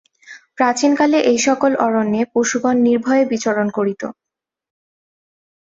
প্রাচীনকালে এইসকল অরণ্যে পশুগণ নির্ভয়ে বিচরণ করিত।